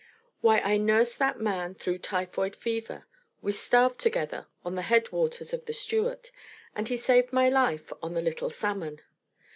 Why, I nursed that man through typhoid fever; we starved together on the headwaters of the Stewart; and he saved my life on the Little Salmon.